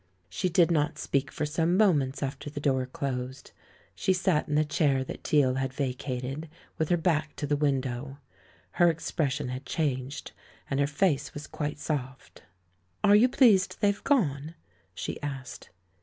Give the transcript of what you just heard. She did not speak for some moments after the door closed. She sat in the chair that Teale had vacated, with her back to the window. Her ex pression had changed and her face was quite soft. "Are you pleased they've gone?" she asked.